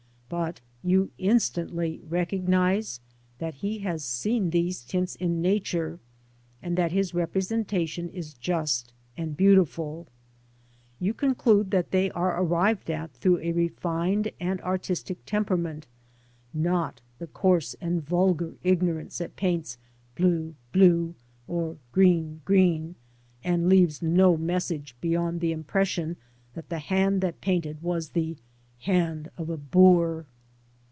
But you instantly recognise that he has seen these tints in Nature, and that his representation is just and beautiful. You conclude that they are arrived at through a refined and artistic temperament; not the coarse and vulgar ignorance that paints blue blue, or green green, and leaves no message beyond the impression that the hand that painted was the hand of a boor.